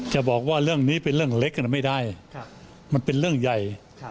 จะบอกว่าเรื่องนี้เป็นเรื่องเล็กไม่ได้มันเป็นเรื่องใหญ่